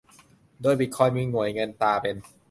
โดยบิตคอยน์มีหน่วยเงินตราเป็น